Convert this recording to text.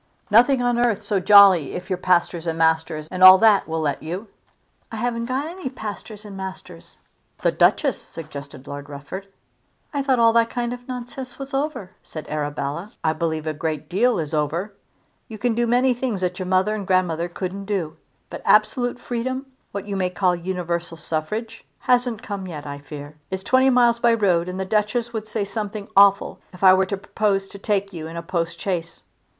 "Nothing on earth so jolly if your pastors and masters and all that will let you." "I haven't got any pastors and masters." "The Duchess!" suggested Lord Rufford. "I thought all that kind of nonsense was over," said Arabella. "I believe a great deal is over. You can do many things that your mother and grandmother couldn't do; but absolute freedom, what you may call universal suffrage, hasn't come yet, I fear. It's twenty miles by road, and the Duchess would say something awful if I were to propose to take you in a postchaise."